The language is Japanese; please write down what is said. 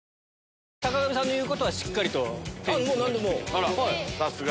あらさすが。